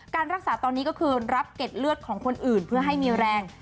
การรักษาตอนนี้ก็คือรับเก็ดเลือดของคนอื่นเพื่อให้มีแรง